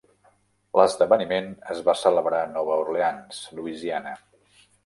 L'esdeveniment es va celebrar a Nova Orleans, Louisiana.